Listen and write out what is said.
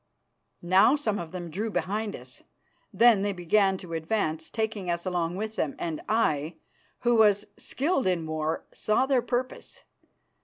Now some of them drew behind us. Then they began to advance, taking us along with them, and I, who was skilled in war, saw their purpose.